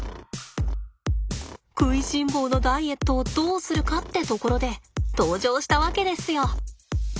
食いしん坊のダイエットをどうするかってところで登場したわけですよ。